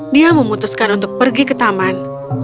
dia memutuskan untuk pergi ke taman